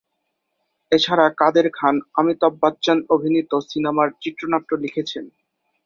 এছাড়া কাদের খান অমিতাভ বচ্চন অভিনীত সিনেমার চিত্রনাট্য লিখেছেন।